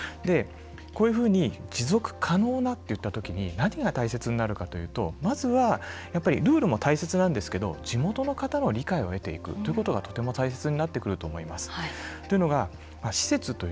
こういうふうに持続可能といったときに何が大切かになるかというとまずは地元の方の理解を得ていくことがとても大切になってくると思います。